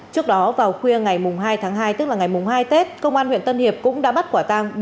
trước đó vào khuya ngày hai tháng hai tức là ngày hai tết công an huyện tân hiệp cũng đã bắt quả tang